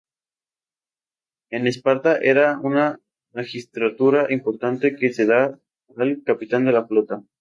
En Esparta, era una magistratura importante que se da al capitán de la flota.